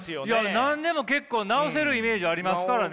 何でも結構治せるイメージありますからね。